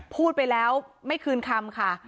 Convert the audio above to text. พูดไปแล้วไม่คืนคำค่ะ